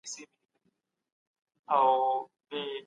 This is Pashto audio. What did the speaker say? دا هغه عالم دی چي په مدرسو کي يې زده کړه کړې.